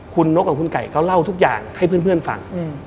คุณนกกับคุณไก่เขาเล่าทุกอย่างให้เพื่อนฟัง